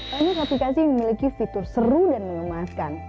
pernah lihat aplikasi yang memiliki fitur seru dan mengemaskan